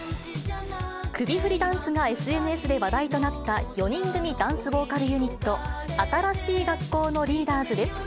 首振りダンスがＳＮＳで話題となった４人組ダンスボーカルユニット、新しい学校のリーダーズです。